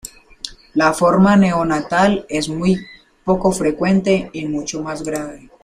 La forma neonatal es muy poco frecuente y mucho más grave.